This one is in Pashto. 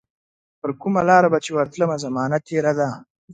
پرکومه لار به چي ورتلمه، زمانه تیره ده